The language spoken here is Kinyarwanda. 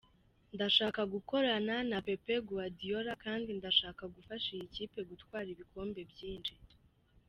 Ndashaka gukorana na Pep Guardiola kandi ndashaka gufasha iyi kipe gutwara ibikombe byinshi.